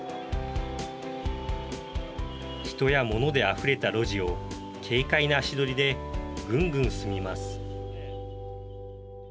人や物であふれた路地を軽快な足取りでぐんぐん進みます。